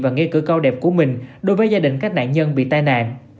và nghĩa cử cao đẹp của mình đối với gia đình các nạn nhân bị tai nạn